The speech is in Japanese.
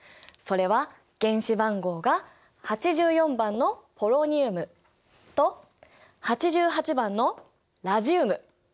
それは原子番号が８４番のポロニウムと８８番のラジウム。